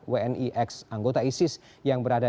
wni x anggota isis yang berada